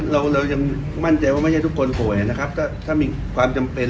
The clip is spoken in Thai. เราเรายังมั่นใจว่าไม่ใช่ทุกคนป่วยนะครับถ้ามีความจำเป็น